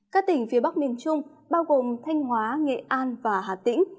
các tỉnh phía bắc miền trung bao gồm thanh hóa nghệ an và hà tĩnh